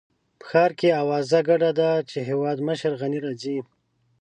په ښار کې اوازه ګډه ده چې هېوادمشر غني راځي.